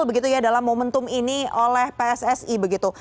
begitu ya dalam momentum ini oleh pssi begitu